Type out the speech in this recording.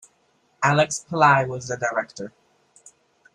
Alex Pillai was the director.